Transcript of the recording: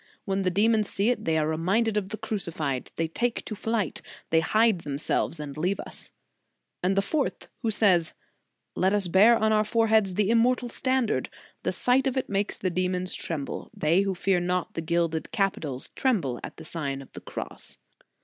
When the demons see it, they are reminded of the Crucified; they take to flight; they hide themselves and leave us ?"} And the fourth, who says: "Let us bear on our foreheads the immortal standard. The sight of it makes the demons tremble. They who fear not the gilded capitols, tremble at the sight of the Cross."!